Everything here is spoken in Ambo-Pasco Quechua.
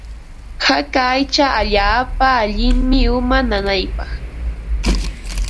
Haka aycha allaapa allinmi uma nanaypaq.